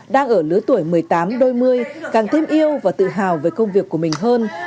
đang ở lứa tuổi một mươi tám đôi mươi càng thêm yêu và tự hào về công việc của mình hơn